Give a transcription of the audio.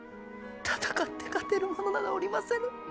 戦って勝てる者などおりませぬ！